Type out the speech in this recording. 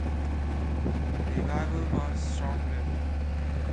The revival was short-lived.